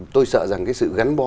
tôi sợ rằng cái sự gắn bó